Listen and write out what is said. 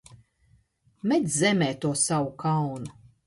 Met zemē to savu kaunu!